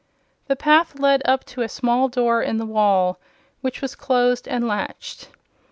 The path led up to a small door in the wall, which was closed and latched.